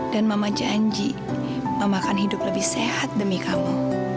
dan mama janji mama akan hidup lebih sehat demi kamu